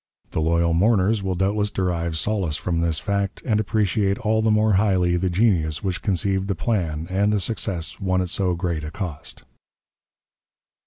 The loyal mourners will doubtless derive solace from this fact, and appreciate all the more highly the genius which conceived the plan, and the success won at so great a cost."